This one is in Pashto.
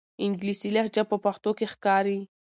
انګلیسي لهجه په پښتو کې ښکاري.